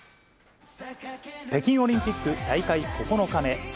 北京オリンピック大会９日目。